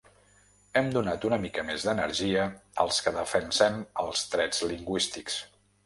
Hem donat una mica més d’energia als que defensem els drets lingüístics.